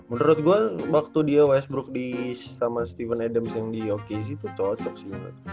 menurut gue waktu dia westbrook sama steven adams yang di occasi tuh toh oke sih